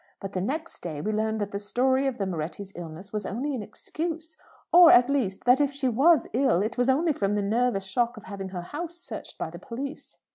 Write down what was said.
But the next day we learned that the story of the Moretti's illness was only an excuse or, at least, that if she was ill, it was only from the nervous shock of having her house searched by the police."